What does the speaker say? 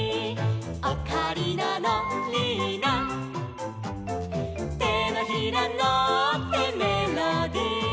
「オカリナのリーナ」「てのひらのってメロディ」